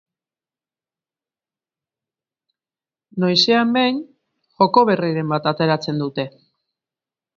Noizean behin, joko berriren bat ateratzen dute.